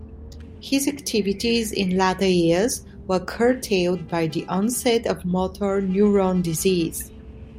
His activities in latter years were curtailed by the onset of motor neurone disease.